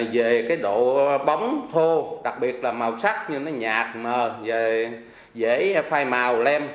về cái độ bóng thô đặc biệt là màu sắc như nó nhạt mờ dễ phai màu lem